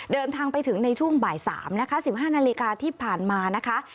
เดินทางไปถึงในช่วงบ่ายสามสิบห้านาละการที่ผ่านมานะคะ